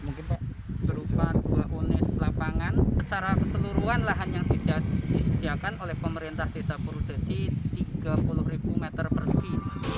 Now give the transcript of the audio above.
berupa dua unit lapangan secara keseluruhan lah yang disediakan oleh pemerintah desa purwodadi tiga puluh ribu meter persegi